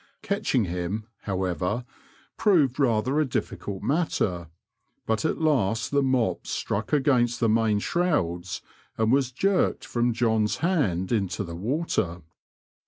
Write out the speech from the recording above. Catching him, however, proved rather a difficult matter, but at last the mop struck against the main shrouds, and was jerked from John's hand into the water.